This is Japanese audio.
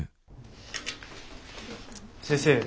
先生。